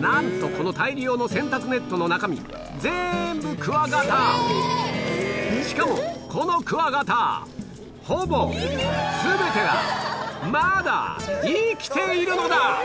なんとこの大量の洗濯ネットの中身しかもこのクワガタほぼ全てがまだ生きているのだ！